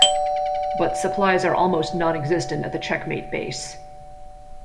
But supplies are almost nonexistent at the Checkmate base.